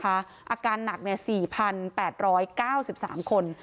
อาการหนัก๔๘๙๓คน